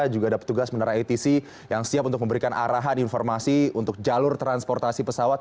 juga ada petugas menara atc yang siap untuk memberikan arahan informasi untuk jalur transportasi pesawat